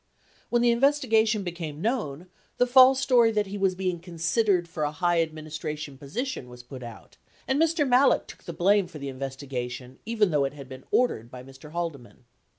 When the investigation became known, the false story that he was being considered for a high admin istration position was put out, and Mr. Malek took the blame for the investigation even though it had been ordered by Mr. Haldeman.